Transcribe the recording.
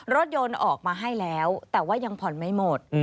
รถยนต์ออกมาให้แล้วแต่ว่ายังผ่อนไม่หมด